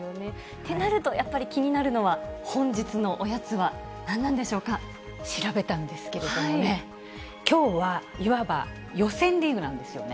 ってなると、やっぱり気になるのは、本日のおやつは何なんでしょ調べたんですけれどもね、きょうは、いわば予選リーグなんですよね。